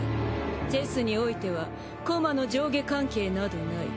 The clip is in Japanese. チェスにおいては駒の上下関係などない。